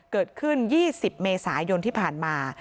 เกิดขึ้น๒๐เมษายนที่ผ่านมา